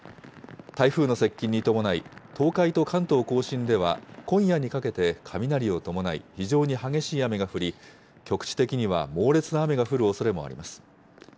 台風の接近に伴い、東海と関東甲信では今夜にかけて雷を伴い非常に激しい雨が降り、局地的には猛烈な雨が降るおそれもあります。